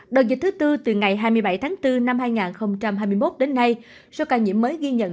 đợt dịch thứ tư từ ngày hai mươi bảy tháng bốn năm hai nghìn hai mươi một đến nay số ca nhiễm mới ghi nhận